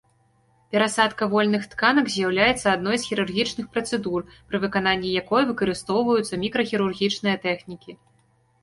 Перасадка вольных тканак з'яўляецца адной з хірургічных працэдур, пры выкананні якой выкарыстоўваюцца мікрахірургічныя тэхнікі.